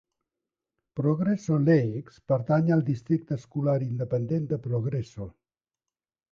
Progreso Lakes pertany al districte escolar independent de Progreso.